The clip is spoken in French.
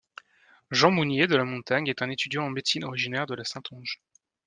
Jean Mousnier de la Montagne est un étudiant en médecine originaire de la Saintonge.